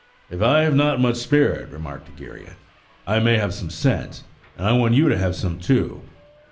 "If I have not much spirit," remarked Egeria, "I may have some sense, and I want you to have some too.